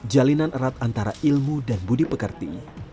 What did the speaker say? jalinan erat antara ilmu dan budi pekerti